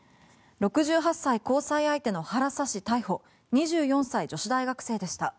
６８歳、交際相手の腹刺し逮捕２４歳女子大学生でした。